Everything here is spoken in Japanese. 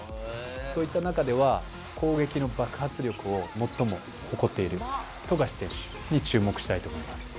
そういった中では攻撃の爆発力を最も起こっている富樫選手に注目したいと思います。